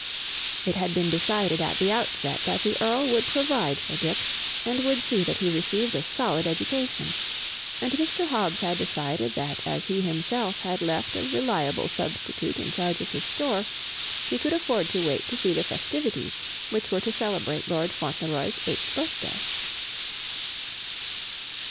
It had been decided at the outset that the Earl would provide for Dick, and would see that he received a solid education; and Mr. Hobbs had decided that as he himself had left a reliable substitute in charge of his store, he could afford to wait to see the festivities which were to celebrate Lord Fauntleroy's eighth birthday.